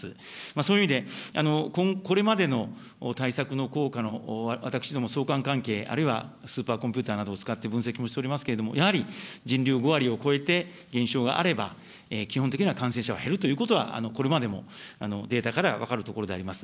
そういう意味でこれまでの対策の効果の、私ども相関関係、スーパーコンピューターなどを使って分析もしておりますけれども、やはり人流５割を超えて減少があれば、基本的には感染者が減るということは、これまでもデータから分かるところであります。